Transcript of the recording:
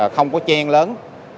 không có chen lớn